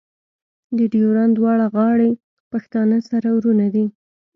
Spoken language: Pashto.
د ډیورنډ دواړه غاړې پښتانه سره ورونه دي.